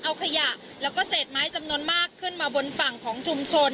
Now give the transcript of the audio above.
เอาขยะแล้วก็เศษไม้จำนวนมากขึ้นมาบนฝั่งของชุมชน